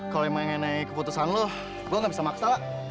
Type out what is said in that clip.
kalo yang mau ngenai keputusan lo gue gak bisa maksa lah